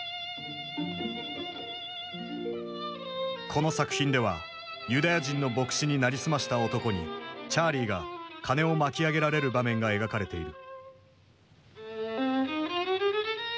この作品ではユダヤ人の牧師に成り済ました男にチャーリーが金を巻き上げられる場面が描かれている。